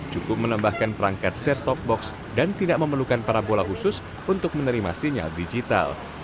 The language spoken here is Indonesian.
cukup menambahkan perangkat set top box dan tidak memerlukan para bola khusus untuk menerima sinyal digital